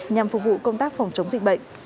nhằm phục vụ công tác phòng chống dịch bệnh